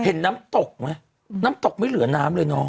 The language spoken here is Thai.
เห็นน้ำตกไหมน้ำตกไม่เหลือน้ำเลยเนาะ